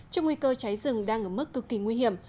trong nguy cơ cháy rừng đang ở mức cực kỳ nguy hiểm